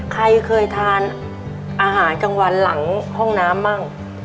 ใครเคยทานอาหารกลางวันหลังห้องน้ำบ้าง